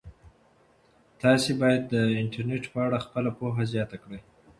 تاسي باید د انټرنيټ په اړه خپله پوهه زیاته کړئ.